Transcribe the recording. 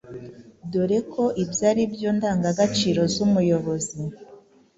dore ko ibyo ari byo ndangagaciro z’umuyobozi.